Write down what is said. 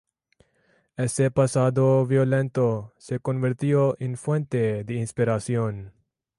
Ese pasado violento se convirtió en fuente de inspiración.